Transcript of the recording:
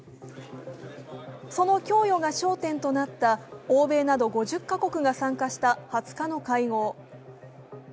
その供与が焦点となった欧米など５０か国が参加した２０日の会合。